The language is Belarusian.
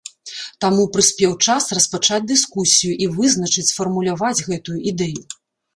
Таму прыспеў час распачаць дыскусію і вызначыць, сфармуляваць гэтую ідэю.